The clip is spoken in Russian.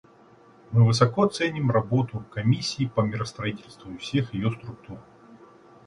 Мы высоко ценим работу Комиссии по миростроительству и всех ее структур.